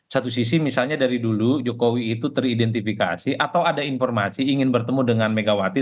satu sisi misalnya dari dulu jokowi itu teridentifikasi atau ada informasi ingin bertemu dengan megawati